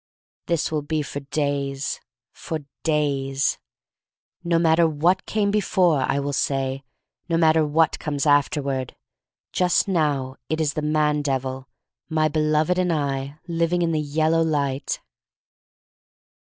This will be for days — for days. No matter what came before, I will say; no matter what comes afterward. Just now it is the man devil, my best beloved, and I, living in the yellow light.